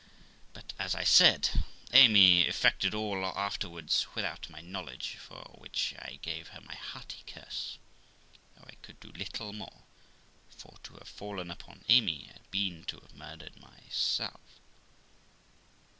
But, as I said, Amy effected all afterwards without my knowledge, for which I gave her my hearty curse, though 1 could do little more ; for to have fallen upon Amy had been to have murdered myself.